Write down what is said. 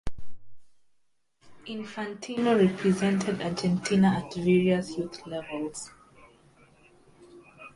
Infantino represented Argentina at various youth levels.